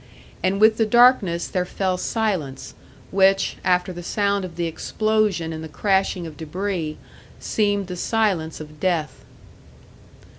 And with the darkness there fell silence, which, after the sound of the explosion and the crashing of debris, seemed the silence of death.